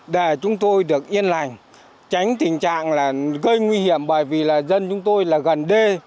để chúng tôi được yên lành tránh tình trạng gây nguy hiểm bởi vì dân chúng tôi gần đê